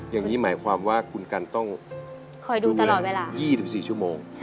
อย่างนี้หมายความว่าคุณกันต้องหยุด๒๔ชั่วโมง